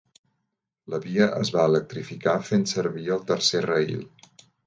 La via es va electrificar fent servir el tercer rail.